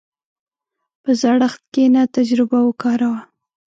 په زړښت کښېنه، تجربه وکاروه.